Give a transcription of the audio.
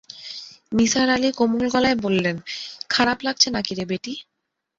নিসার আলি কোমল গলায় বললেন, খারাপ লাগছে নাকি রে বেটি?